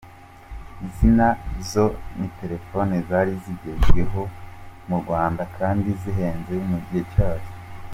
Izi na zo ni telefone zari zigezweho mu Rwanda, kandi zihenze mu gihe cyazo.